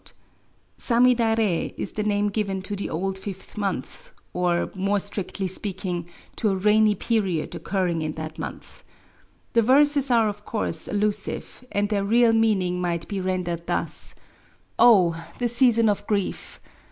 Samidare is the name given to the old fifth month, or, more strictly speaking, to a rainy period occurring in that month. The venes are, of course, alluave, and their real meaning might be rendered thus :Oh ! the season of grief!